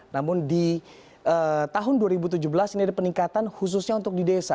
namun di tahun dua ribu tujuh belas ini ada peningkatan khususnya untuk di desa